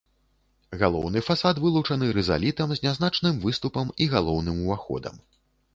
Галоўны фасад вылучаны рызалітам з нязначным выступам і галоўным уваходам.